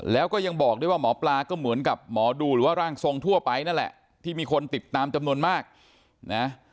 แล้วก็ยังบอกด้วยว่าหมอปลาก็เหมือนกับหมอดูหรือว่าร่างทรงทั่วไปนั่นแหละที่มีคนติดตามจำนวนมากนะ